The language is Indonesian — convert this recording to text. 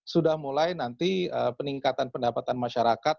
sudah mulai nanti peningkatan pendapatan masyarakat